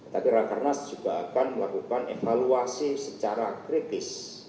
tapi rakernas juga akan melakukan evaluasi secara kritis